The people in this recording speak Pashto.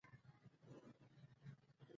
يا بې څښنته وطن تسخيروي